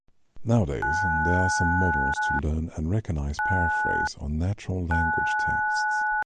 Nowadays, there are some models to learn and recognize paraphrase on natural language texts.